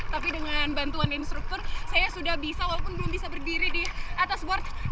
tapi dengan bantuan instruktur saya sudah bisa walaupun belum bisa berdiri di atas board